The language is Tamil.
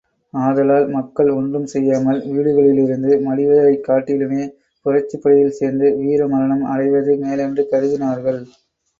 ஆதலால் மக்கள் ஒன்றும் செய்யாமல் வீடுகளிலிருந்து மடிவதைக் காட்டிலும புரட்சிப்படையிலே சேர்ந்து வீரமரணம் அடைவது மேலென்று கருதினார்கள்.